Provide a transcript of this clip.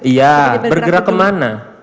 iya bergerak kemana